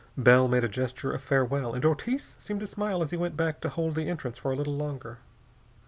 Bell made a gesture of farewell and Ortiz seemed to smile as he went back to hold the entrance for a little longer.